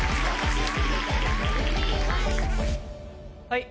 はい。